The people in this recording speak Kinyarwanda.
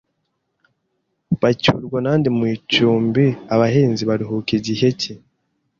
bacyurwa na nde mu icumbi, abahinzi baruhuka gihe ki